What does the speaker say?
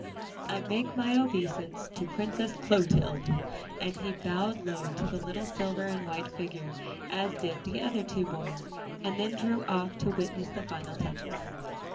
I make my obeisance to Princess Clotilde!" and he bowed low to the little silver and white figure, as did the other two boys, and then drew off to witness the final touches.